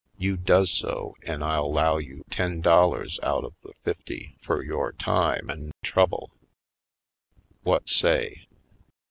You does so an' I'll low you ten dollars out of the fifty fur yore time an' trouble. Whut say?"